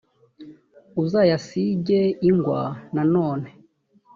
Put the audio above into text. uzayasige ingwa nanone